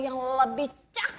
yang lebih keren daripada boy